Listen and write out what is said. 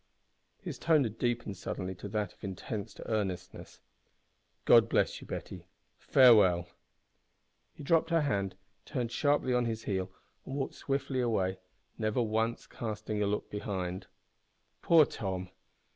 '" (His tone had deepened suddenly to that of intense earnestness) "God bless you, Betty; farewell." He dropped her hand, turned sharply on his heel, and walked swiftly away, never once casting a look behind. Poor Tom!